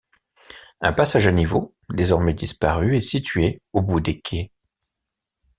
Un passage à niveau, désormais disparu est situé au bout des quais.